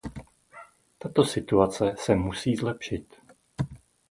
Tato situace se musí lepšit.